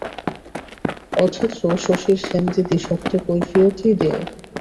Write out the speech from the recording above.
অথচ শশীর সেনদিদি সত্য কৈফিয়তই দেয়।